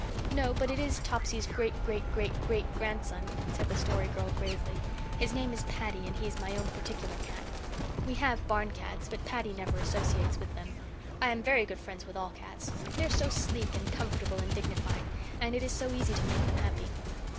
"No, but it is Topsy's great great great great grandson," said the Story Girl gravely. "His name is Paddy and he is my own particular cat. We have barn cats, but Paddy never associates with them. I am very good friends with all cats. They are so sleek and comfortable and dignified. And it is so easy to make them happy.